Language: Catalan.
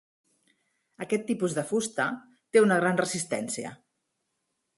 Aquest tipus de fusta té una gran resistència.